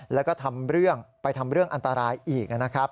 แล้วก็ทำเรื่องไปทำเรื่องอันตรายอีกนะครับ